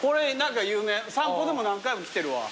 『さんぽ』でも何回も来てるわ。